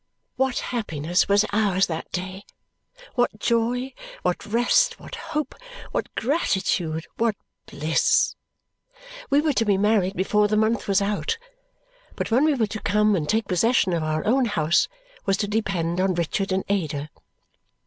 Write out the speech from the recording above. What happiness was ours that day, what joy, what rest, what hope, what gratitude, what bliss! We were to be married before the month was out, but when we were to come and take possession of our own house was to depend on Richard and Ada.